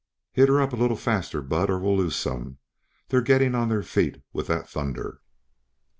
"Hit her up a little faster, Bud, or we'll lose some. They're getting on their feet with that thunder."